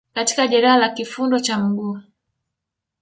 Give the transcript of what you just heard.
katika jeraha la kifundo cha mguu